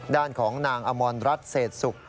ด้านของนางอมรรัฐเศษศุกร์